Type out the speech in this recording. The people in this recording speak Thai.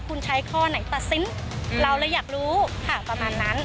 คุณใช้ข้อไหนตัดสินเราเลยอยากรู้ค่ะประมาณนั้น